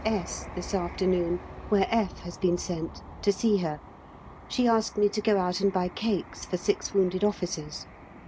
S. this afternoon where F has been sent, to see her; she asked me to go out and buy cakes for six wounded officers.